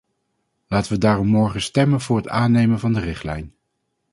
Laten we daarom morgen stemmen voor het aannemen van de richtlijn.